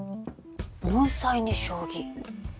盆栽に将棋。